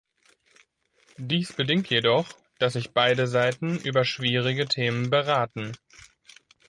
Dies bedingt jedoch, dass sich beide Seiten über schwierige Themen beraten.